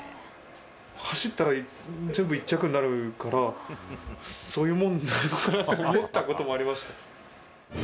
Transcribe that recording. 走ったら全部１着になるから、そういうものなのかなと思ったこともありました。